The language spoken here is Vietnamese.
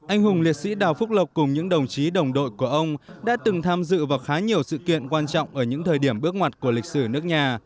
anh hùng liệt sĩ đào phúc lộc cùng những đồng chí đồng đội của ông đã từng tham dự vào khá nhiều sự kiện quan trọng ở những thời điểm bước ngoặt của lịch sử nước nhà